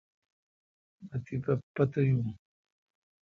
مہ تیپہ پتھ یون۔